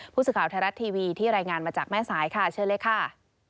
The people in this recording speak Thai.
ผู้สื่อข่าวไทยรัฐทีวีที่รายงานมาจากแม่สายค่ะเชิญเลยค่ะ